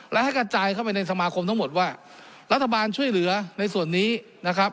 และให้กระจายเข้าไปในสมาคมทั้งหมดว่ารัฐบาลช่วยเหลือในส่วนนี้นะครับ